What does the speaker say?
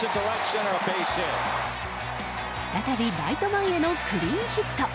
再びライト前へのクリーンヒット。